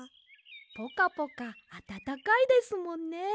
ポカポカあたたかいですもんね。